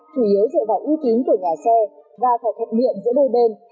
chủ yếu dựa vào uy tín của nhà xe và phải thật miệng giữa đôi bên